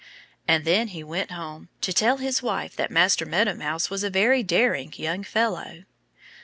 And then he went home, to tell his wife that Master Meadow Mouse was a very daring young fellow.